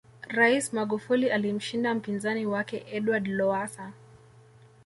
raisi magufuli alimshinda mpinzani wake edward lowasa